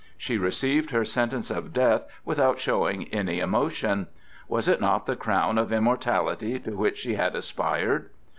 She received her sentence of death without showing any emotion; was it not the crown of immortality to which she had aspired?